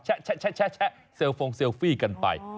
แชะเซลฟงเซลฟี่กันไป